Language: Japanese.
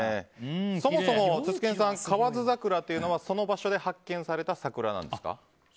そもそも、つつけんさん河津桜というのはその場所で発見された桜なんですか。